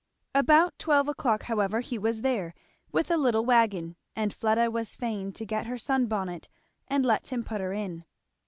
About twelve o'clock however he was there, with a little wagon, and Fleda was fain to get her sun bonnet and let him put her in.